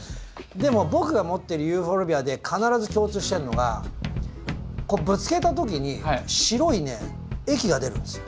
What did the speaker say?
でも僕が持ってるユーフォルビアで必ず共通してるのがこうぶつけた時に白いね液が出るんですよ。